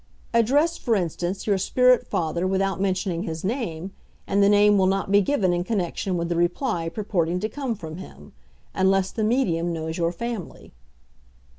Address, for instance, your spirit father without mentioning his name, and the name will not be given in connection with the reply purporting to come from him unless the medium knows your family.